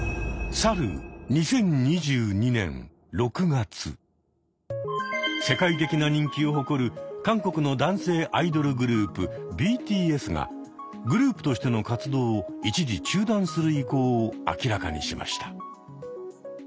去る世界的な人気を誇る韓国の男性アイドルグループ・ＢＴＳがグループとしての活動を一時中断する意向を明らかにしました。